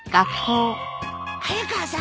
早川さん。